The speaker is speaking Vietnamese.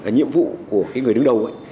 nhiệm vụ của cái người đứng đầu ấy